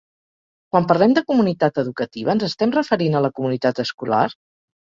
Quan parlem de comunitat educativa ens estem referint a la comunitat escolar?